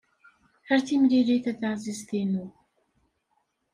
Ar timlilit a taɛzizt-inu!